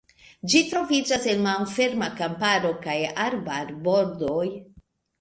Ĝi troviĝas en malferma kamparo kaj arbarbordoj.